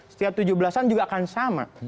setiap tujuh belas an juga akan sama